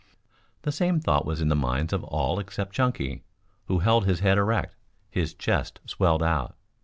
The same thought was in the minds of all except Chunky, who held his head erect, his chest swelled out.